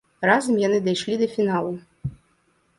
Разам яны дайшлі да фіналу.